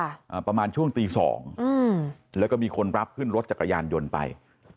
อ่าประมาณช่วงตีสองอืมแล้วก็มีคนรับขึ้นรถจักรยานยนต์ไป